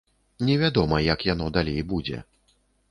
Не вядома, як яно далей будзе.